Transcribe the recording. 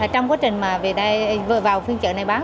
trong quá trình vừa vào phiên trợ này bán